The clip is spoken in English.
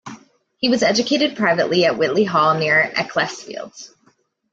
He was educated privately at Whitley Hall near Ecclesfield.